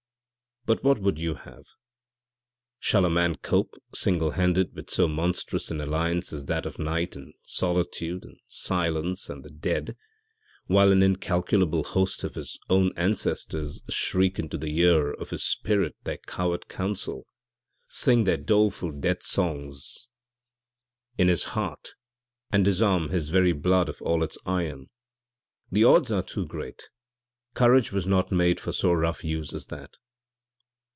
But what would you have? Shall a man cope, single handed, with so monstrous an alliance as that of night and solitude and silence and the dead while an incalculable host of his own ancestors shriek into the ear of his spirit their coward counsel, sing their doleful death songs in his heart, and disarm his very blood of all its iron? The odds are too great courage was not made for so rough use as that.